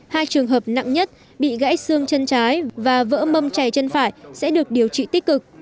hai trường hợp nặng nhất bị gãy xương chân trái và vỡ mâm chảy chân phải sẽ được điều trị tích cực